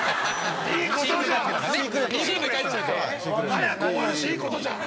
早く終わるしいい事じゃん！